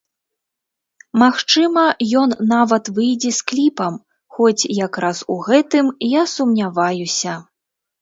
Магчыма, ён нават выйдзе з кліпам, хоць як раз у гэтым я сумняваюся.